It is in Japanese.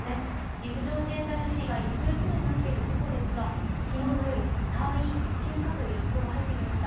陸上自衛隊のヘリが行方不明になっている事故ですが昨日の夜、隊員発見かという一報が入ってきました。